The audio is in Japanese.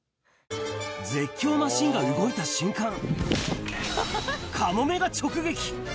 絶叫マシンが動いた瞬間、カモメが直撃。